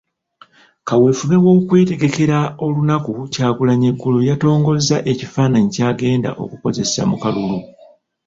Kawefube w'okwetegekera olunaku Kyagulanyi eggulo yaatongozza ekifaananyi ky'agenda okukozesa mu kalulu.